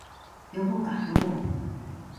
呼ぼうか、呼ぼう